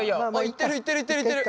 いってるいってるいってるいってる。